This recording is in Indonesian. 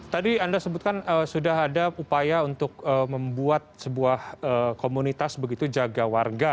tadi anda sebutkan sudah ada upaya untuk membuat sebuah komunitas begitu jaga warga